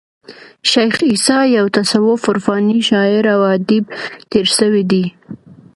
شېخ عیسي یو متصوف عرفاني شاعر او ادیب تیر سوى دئ.